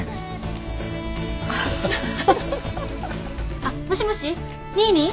あっもしもしニーニー？